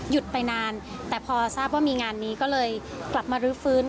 ไปนานแต่พอทราบว่ามีงานนี้ก็เลยกลับมารื้อฟื้น